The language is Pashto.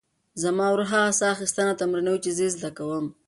زما ورور هغه ساه اخیستنه تمرینوي چې زه یې زده کوم.